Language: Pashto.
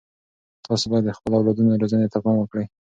تاسو باید د خپلو اولادونو روزنې ته پام وکړئ.